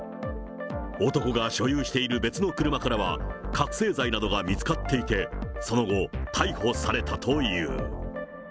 男が所有している別の車からは覚醒剤などが見つかっていて、その後、逮捕されたという。